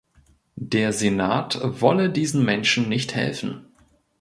Der Senat wolle diesen Menschen nicht helfen.